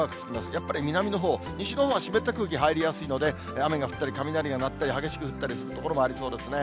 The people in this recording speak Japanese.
やっぱり南のほう、西のほうは湿った空気入りやすいので、雨が降ったり、雷が鳴ったり、激しく降ったりする所もありそうですね。